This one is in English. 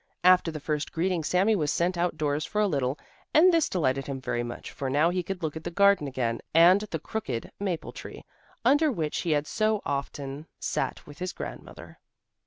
After the first greeting Sami was sent out doors for a little, and this delighted him very much, for now he could look at the garden again and the crooked maple tree, under which he had so often sat with his grandmother.